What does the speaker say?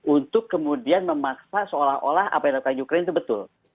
untuk kemudian memaksa seolah olah apa yang dilakukan ukraine itu betul